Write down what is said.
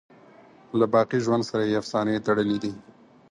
له باقی ژوند سره یې افسانې تړلي دي.